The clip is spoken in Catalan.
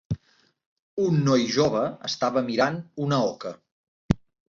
Un noi jove estava mirant una oca.